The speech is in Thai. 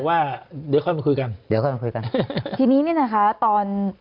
เธอไม่บอกว่าเดี๋ยวค่อยมาคุยกัน